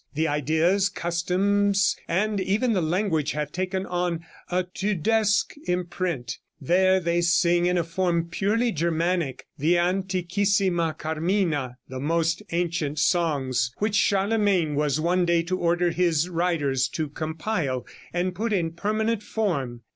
The ideas, customs and even the language have taken on a Tudesque imprint. There they sing in a form purely Germanic the 'Antiquissima Carmina' ["Most Ancient Songs"] which Charlemagne was one day to order his writers to compile and put in permanent form.